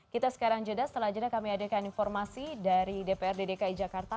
kita sekarang jeda setelah jeda kami hadirkan informasi dari dpr dki jakarta